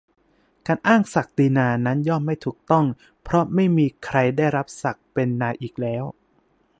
การอ้างศักดินานั้นย่อมไม่ถูกต้อง เพราะไม่มีใครได้รับศักดิ์เป็นนาอีกแล้ว